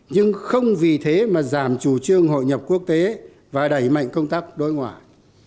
nhưng không vì thế mà giảm chủ trương hội nhập quốc tế và đẩy mạnh công tác đối ngoại